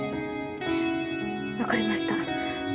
わかりました。